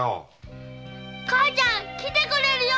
母ちゃん来てくれるよ！